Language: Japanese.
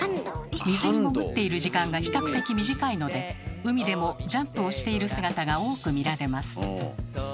水に潜っている時間が比較的短いので海でもジャンプをしている姿が多く見られます。